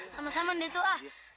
sama sama nde tua